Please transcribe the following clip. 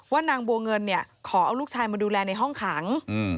ว่านางบัวเงินขอเอาลูกชายมาดูแลในห้องขัง